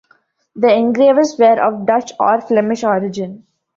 The engravers were of Dutch or Flemish origin.